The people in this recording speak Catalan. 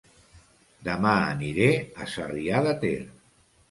Dema aniré a Sarrià de Ter